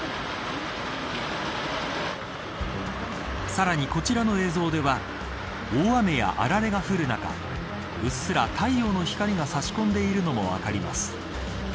さらに、こちらの映像では大雨や、あられが降る中うっすら太陽の光が差し込んでいるのも分かります。